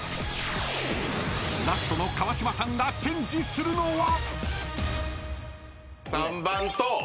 ［ラストの川島さんがチェンジするのは？］